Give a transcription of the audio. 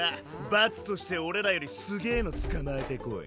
罰として俺らよりすげぇの捕まえてこい。